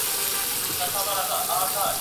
د هغې د نکاح مخنیوی ئې هم د ځانونو حق باله.